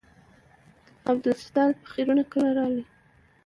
عبدالستاره په خيرونه کله رالې.